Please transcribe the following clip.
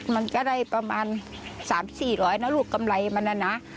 มันก็ได้ประมาณ๓๔๐๐นะลูกกำไรมันนะ